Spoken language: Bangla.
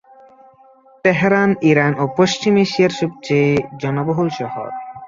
তেহরান ইরান ও পশ্চিম এশিয়ায় সবচেয়ে জনবহুল শহর।